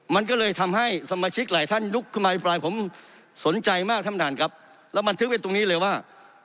มันก็เลยทำให้สมาชิกหลายท่านลุกขึ้นมาอภิปรายผมสนใจมากท่านประธานครับแล้วบันทึกไว้ตรงนี้เลยว่า